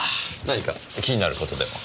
何か気になることでも？